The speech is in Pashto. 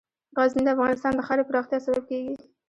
غزني د افغانستان د ښاري پراختیا سبب کېږي.